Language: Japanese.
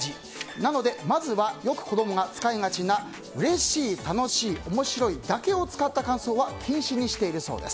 なので、まずはよく子供が使いがちなうれしい、楽しい面白いだけを使った感想は禁止にしているそうです。